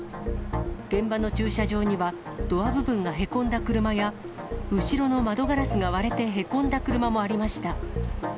現場の駐車場には、ドア部分がへこんだ車や、後ろの窓ガラスが割れてへこんだ車もありました。